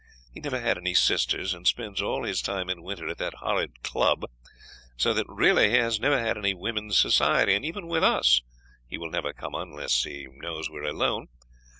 He never had any sisters, and spends all his time in winter at that horrid club; so that really he has never had any women's society, and even with us he will never come unless he knows we are alone.